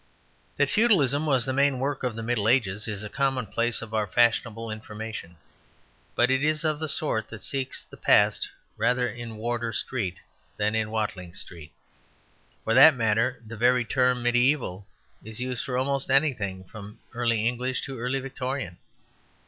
That Feudalism was the main mark of the Middle Ages is a commonplace of fashionable information; but it is of the sort that seeks the past rather in Wardour Street than Watling Street. For that matter, the very term "mediæval" is used for almost anything from Early English to Early Victorian.